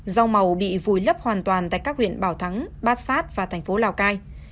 rau màu bị vùi lấp hoàn toàn tại các huyện bảo thắng bát sát và thành phố lào cai